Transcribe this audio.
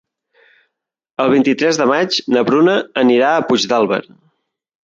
El vint-i-tres de maig na Bruna anirà a Puigdàlber.